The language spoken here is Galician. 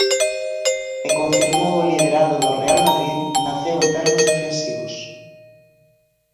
E confirmou o liderado do Real Madrid naceu en termos defensivos.